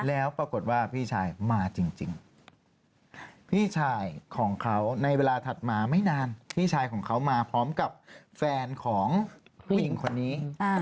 แล้วปรากฏว่าพี่ชายมาจริงพี่ชายของเขาในเวลาถัดมาไม่นานพี่ชายของเขามาพร้อมกับแฟนของผู้หญิงคนนี้